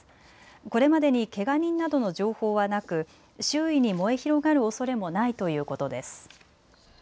これまでにけが人などの情報はなく周囲に燃え広がるおそれもないということです。